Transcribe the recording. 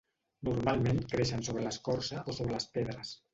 Normalment creixen sobre l'escorça o sobre les pedres.